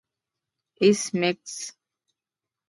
ایس میکس